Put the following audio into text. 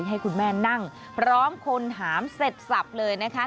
ให้คุณแม่นั่งพร้อมคนหามเสร็จสับเลยนะคะ